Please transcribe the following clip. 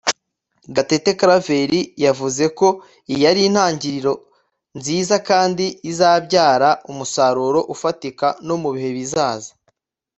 Gatete Claver yavuze ko iyi ari intangiriro nziza kandi izabyara umusaruro ufatika no mu bihe bizaza